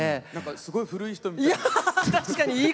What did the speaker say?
すごい古い人みたい。